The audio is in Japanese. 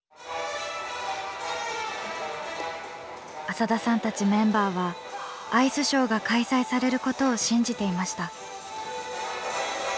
浅田さんたちメンバーはアイスショーが開催されることを信じていました。